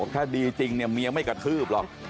ถ้าดีจริงเนี่ยเมียไม่กระทืบหรอก